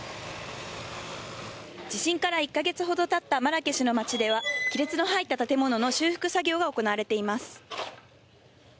地震から１か月ほどたったマラケシュの町では、亀裂の入った建物の修復作業が行われています。